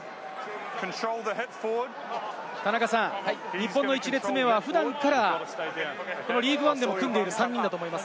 日本の１列目は普段からリーグワンでも組んでいる３人だと思います。